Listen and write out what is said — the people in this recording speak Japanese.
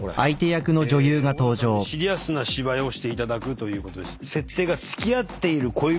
尾形さんにシリアスな芝居をしていただくということです。